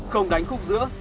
không đánh khúc giữa